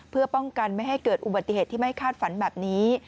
เพื่อป้องกันไม่ให้เกิดอุบัติเหตุที่ไม่คาดฝันแบบนี้